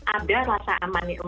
ada rasa aman